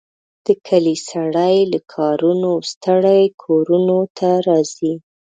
د کلي سړي له کارونو ستړي کورونو ته راځي.